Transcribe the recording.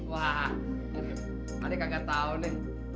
wah tadi kagak tau nih